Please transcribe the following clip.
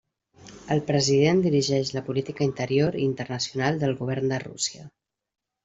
El president dirigeix la política interior i internacional del govern de Rússia.